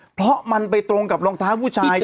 เพราะมันไปตรงกับรองเท้าผู้ชาย